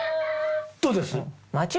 どうです？